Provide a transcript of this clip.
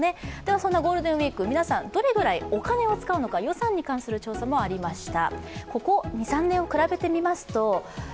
そんなゴールデンウイーク、皆さんどれぐらいお金を使うのか予算に関する調査もありました。